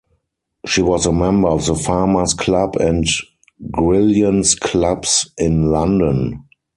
She was a member of the Farmers Club and Grillions Clubs in London.